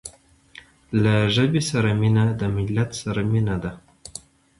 له ژبې سره مینه د ملت سره مینه ده.